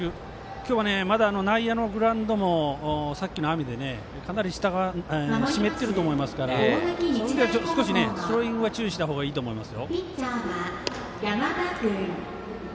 今日は、まだ内野のグラウンドもさっきの雨でかなり下が湿っていると思いますから少しスローイングは注意した方がいいと思います。